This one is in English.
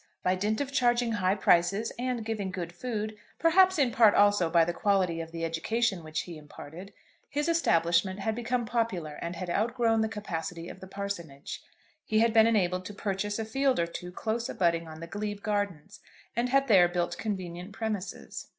By dint of charging high prices and giving good food, perhaps in part, also, by the quality of the education which he imparted, his establishment had become popular and had outgrown the capacity of the parsonage. He had been enabled to purchase a field or two close abutting on the glebe gardens, and had there built convenient premises.